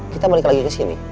kita balik lagi ke sini